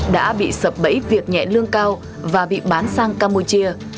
đã bị sập bẫy việc nhẹ lương cao và bị bán sang campuchia